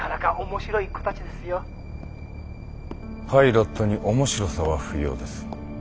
パイロットに面白さは不要です。